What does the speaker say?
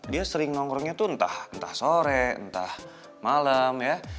dia sering nongkrongnya tuh entah entah sore entah malam ya